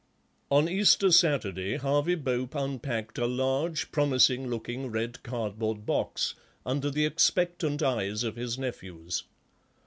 On Easter Saturday Harvey Bope unpacked a large, promising looking red cardboard box under the expectant eyes of his nephews.